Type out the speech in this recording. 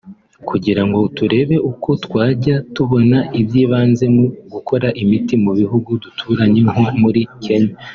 kugira ngo turebe uko twajya tubona iby’ibanze mu gukora imiti mu bihugu duturanye nko muri Kenya